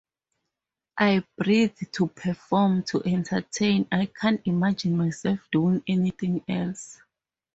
I breathe to perform, to entertain, I can't imagine myself doing anything else.